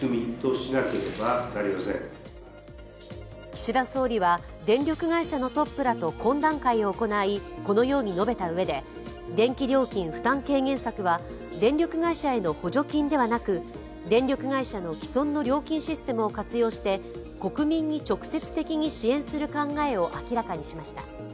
岸田総理は、電力会社のトップらと懇談会を行いこのように述べたうえで電気料金負担軽減策は電力会社への補助金ではなく、電力会社の既存の料金システムを活用して国民に直接的に支援する考えを明らかにしました。